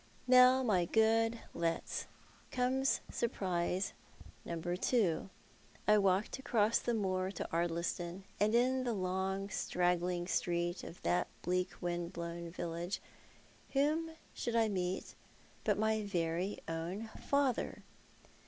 Now, my good Letts, comes surprise number two. I walked across the moor to Ardliston, and in the long, straggling street of that bleak wind blown village, whom should I meet but my very own father